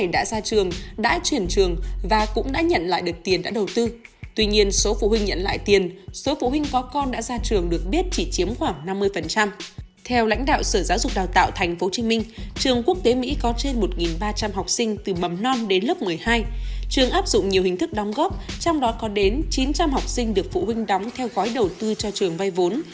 do con đến chín trăm linh học sinh được phụ huynh đóng theo gói đầu tư cho trường vay vốn